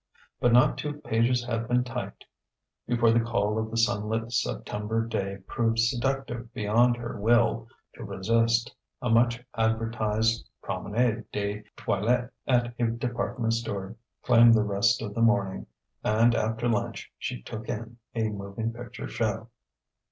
But not two pages had been typed before the call of the sunlit September day proved seductive beyond her will to resist; a much advertised "Promenade des Toilettes" at a department store claimed the rest of the morning; and after lunch she "took in" a moving picture show.